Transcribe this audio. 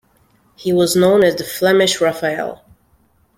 He was known as the 'Flemish Raphael'.